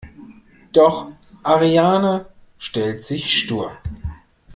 Doch Ariane stellt sich stur.